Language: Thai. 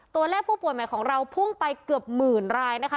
ตัวเลขผู้ป่วยใหม่ของเราพุ่งไปเกือบหมื่นรายนะคะ